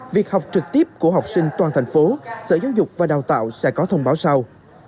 việc học trực tiếp của học sinh toàn thành phố sở giáo dục và đào tạo sẽ có thông báo sau